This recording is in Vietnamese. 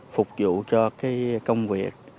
phục vụ cho cái công việc